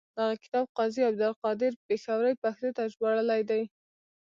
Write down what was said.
دغه کتاب قاضي عبدالقادر پیښوري پښتو ته ژباړلی دی.